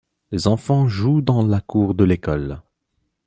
Les enfants jouent dans la cour de l’école.